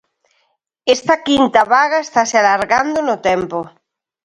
Esta quinta vaga estase alargando no tempo.